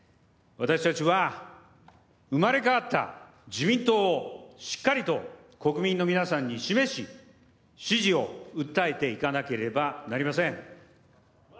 私たちは生まれ変わった自民党をしっかりと国民の皆さんに示し支持を訴えていかなければなりません。